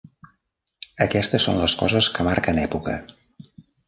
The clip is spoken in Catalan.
Aquestes són les coses que marquen època.